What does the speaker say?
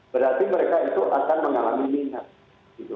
berarti mereka itu akan mengalami minat